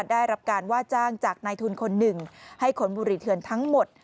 ได้รับการว่าจ้างจากนายทุนคนหนึ่งให้ขนบุรีเทือนทั้งหมด